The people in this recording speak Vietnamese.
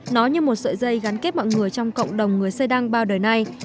nói như một sợi dây gắn kết mọi người trong cộng đồng người xê đăng bao đời này